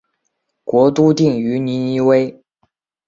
国都定于尼尼微。